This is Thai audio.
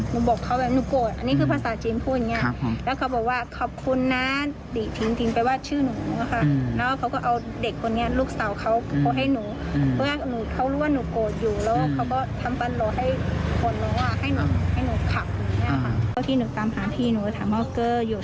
ดังนั้นพี่สาวเคยกระโยชน์กระโยชน์จอดท่าร่วมคารสู้แล้ว